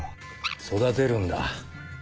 育てるんだ。